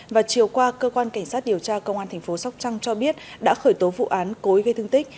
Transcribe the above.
và chiều qua cơ quan cảnh sát điều tra công an tp sóc trăng cho biết đã khởi tố vụ án cối gây thương tích